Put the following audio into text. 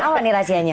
apa nih rahasianya